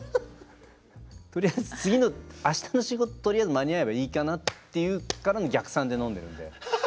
次の明日の仕事とりあえず間に合えばいいかなっていうからの逆算で飲んでいるので。